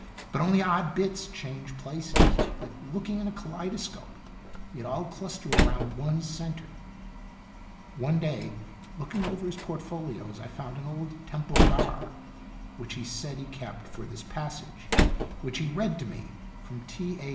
" But only odd bits change places, like looking in a kaleidoscope; yet all cluster around one centre." One day, looking over his portfolios, I found an old Temple Bar, which he said he kept for this passage which he read to me from T. A.